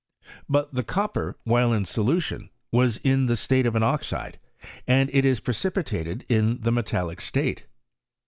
But the copper, ile in solution, was in the state of an oxide, and is precipitated in the metallic state.